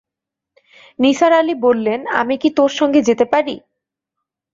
নিসার আলি বললেন, আমি কি তোর সঙ্গে যেতে পারি?